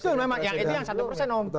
itu yang satu persen om